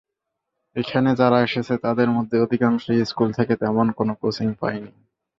এখানে যারা এসেছে তাদের মধ্যে অধিকাংশই স্কুল থেকে তেমন কোনো কোচিং পায়নি।